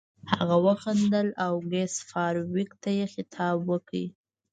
هغه وخندل او ګس فارویک ته یې خطاب وکړ